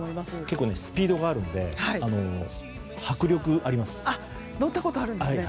結構スピードがあるので迫力がありますよね。